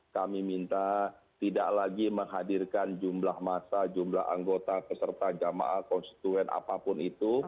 kami minta tidak lagi menghadirkan jumlah masa jumlah anggota peserta jamaah konstituen apapun itu